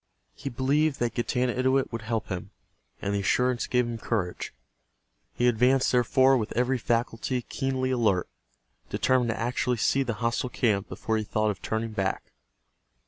He believed that Getanittowit would help him, and the assurance gave him courage. He advanced, therefore, with every faculty keenly alert, determined to actually see the hostile camp before he thought of turning back.